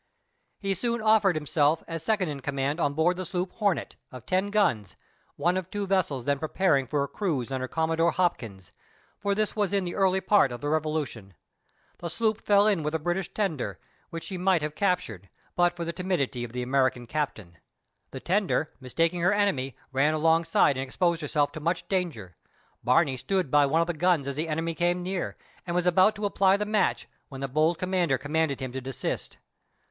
He soon offered himself as second in command on board the sloop Hornet, of ten guns, one of two vessels then preparing for a cruise under Commodore Hopkins, for this was in the early part of the revolution. The sloop fell in with a British tender, which she might have captured, but for the timidity of the American captain. The tender, mistaking her enemy, ran alongside and exposed herself to much danger. Barney stood by one of the guns as the enemy came near, and was about to apply the match, when the bold commander commanded him to desist.